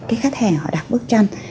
cái khách hàng họ đặt bức tranh